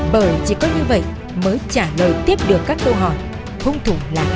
bởi chỉ có như vậy mới trả lời tiếp được các câu hỏi hung thủ là hai và gây án là biết gì